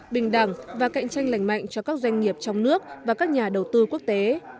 bình đẳng và cạnh tranh lành mạnh cho các doanh nghiệp trong nước và các nhà đầu tư quốc tế